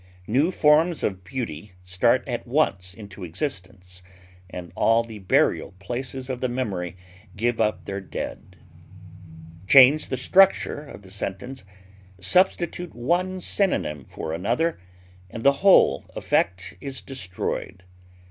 New forms of beauty start at once into existence, and all the burial places of the memory give up their dead. Change the structure of the sentence; substitute one synonym for another, and the whole effect is destroyed.